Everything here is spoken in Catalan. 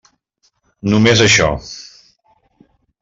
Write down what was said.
Només això.